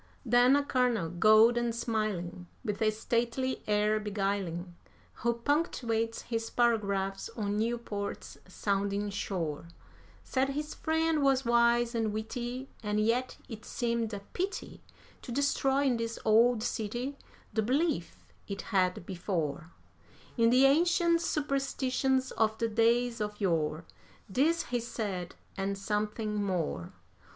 Then a Colonel, cold and smiling, with a stately air beguiling, Who punctuates his paragraphs on Newport's sounding shore, Said his friend was wise and witty, and yet it seemed a pity To destroy in this old city the belief it had before In the ancient superstitions of the days of yore. This he said, and something more.